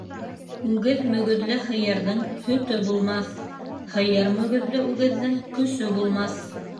Үгеҙ мөгөҙлө һыйырҙың һөтө булмаҫ, һыйыр мөгөҙлө үгеҙҙең көсө булмаҫ.